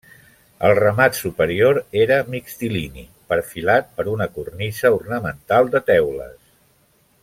El remat superior era mixtilini, perfilat per una cornisa ornamental de teules.